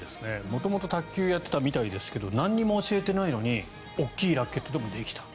元々卓球やってみたみたいですが何も教えてないのに大きいラケットでもできた。